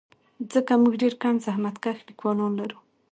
ځکه موږ ډېر کم زحمتکښ لیکوالان لرو.